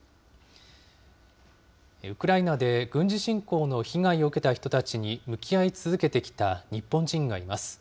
ウクライナで軍事侵攻の被害を受けた人たちに向き合い続けてきた日本人がいます。